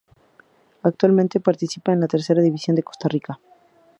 Actualmente participa en la Tercera División de Costa Rica.